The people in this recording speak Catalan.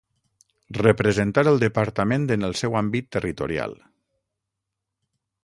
Representar el Departament en el seu àmbit territorial.